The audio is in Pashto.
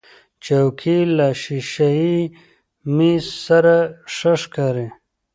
چوکۍ له شیشهيي میز سره ښه ښکاري.